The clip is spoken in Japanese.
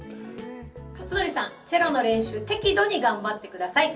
克典さん、チェロの練習適度に頑張ってください。